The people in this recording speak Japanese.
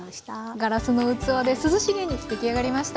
ガラスの器で涼しげに出来上がりました。